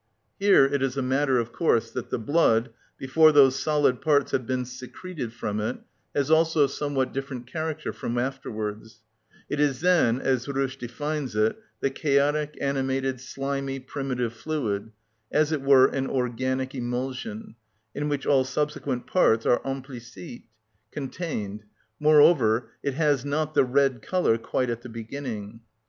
Here it is a matter of course that the blood, before those solid parts have been secreted from it, has also a somewhat different character from afterwards; it is then, as Rösch defines it, the chaotic, animated, slimy, primitive fluid, as it were an organic emulsion, in which all subsequent parts are implicite contained: moreover, it has not the red colour quite at the beginning.